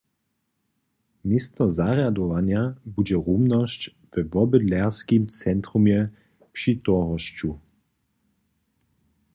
Městno zarjadowanja budźe rumnosć we wobydlerskim centrumje při torhošću.